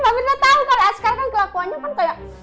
mbak elsa tau kalau as karah kan kelakuan kayak